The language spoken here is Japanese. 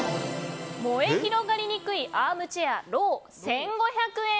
燃え広がりにくいアームチェアロー１５００円！